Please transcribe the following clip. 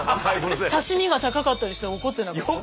刺身が高かったりしたら怒ってなかった？